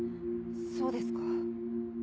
そうですか。